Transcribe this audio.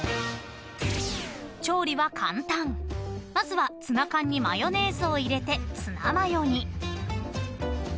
［調理は簡単まずはツナ缶にマヨネーズを入れてツナマヨに］